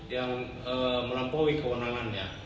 yang melampaui kewenangannya